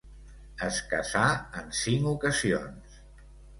Es casà en cinc ocasions.